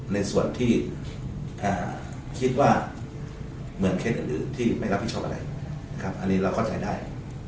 ในส่วนที่คิดว่าเหมือนเคสอื่นที่ไม่รับผิดชอบอะไรอันนี้เราเข้าใจได้